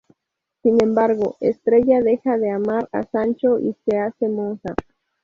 Sin embargo, Estrella deja de amar a Sancho y se hace monja.